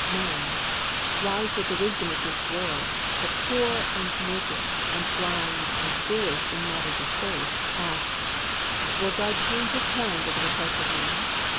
Men, wise with the wisdom of this world, but poor and naked and blind and foolish in matters of faith, ask: "Will God change His plans at the request of man?"